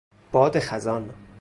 باد خزان